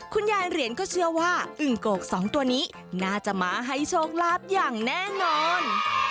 คุณยายเหรียญก็เชื่อว่าอึ่งโกกสองตัวนี้น่าจะมาให้โชคลาภอย่างแน่นอน